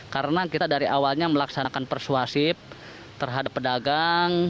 karena kita dari awalnya melaksanakan persuasif terhadap pedagang